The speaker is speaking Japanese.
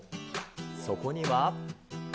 そこには。